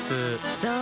そう。